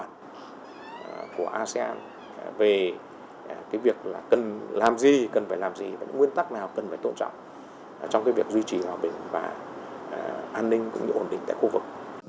cơ bản của asean về cái việc là cần làm gì cần phải làm gì và những nguyên tắc nào cần phải tổn trọng trong cái việc duy trì hòa bình và an ninh cũng được ổn định tại khu vực